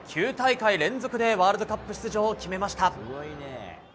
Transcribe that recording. ９大会連続でワールドカップ出場を決めました。